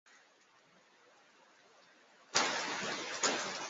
"En la unua loko, la Misterojn," respondis la Falsa Kelonio kalkulante la temojn.